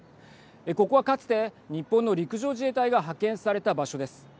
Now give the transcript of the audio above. ここはかつて日本の陸上自衛隊が派遣された場所です。